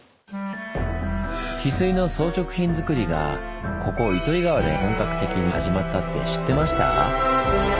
ヒスイの装飾品づくりがここ糸魚川で本格的に始まったって知ってました？